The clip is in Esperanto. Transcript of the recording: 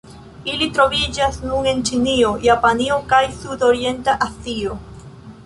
Ili troviĝas nur en Ĉinio, Japanio, kaj Sudorienta Azio.